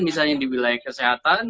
misalnya di wilayah kesehatan